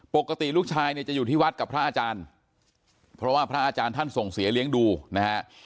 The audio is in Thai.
ปกติลูกชายเนี่ยจะอยู่ที่วัดกับพระอาจารย์เพราะว่าพระอาจารย์ท่านส่งเสียเลี้ยงดูนะฮะ